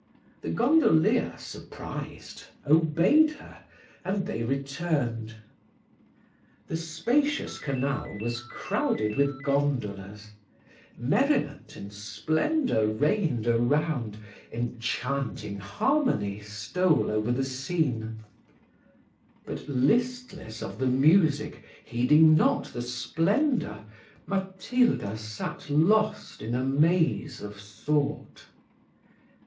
The gondolier, surprised, obeyed her, and they returned. The spacious canal was crowded with gondolas; merriment and splendour reigned around, enchanting harmony stole over the scene; but, listless of the music, heeding not the splendour, Matilda sat lost in a maze of thought.